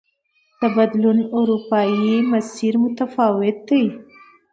د بدلون دا اروپايي مسیر متفاوت دی.